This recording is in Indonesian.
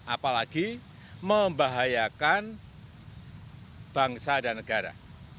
apalagi membahayakan bangsa dan negara